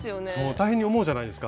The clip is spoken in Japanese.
大変に思うじゃないですか。